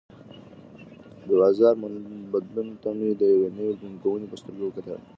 د بازار بدلون ته مې د یوې نوې ننګونې په سترګه وکتل.